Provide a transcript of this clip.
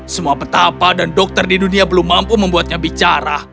semua petapa dan dokter di dunia belum mampu membuatnya bicara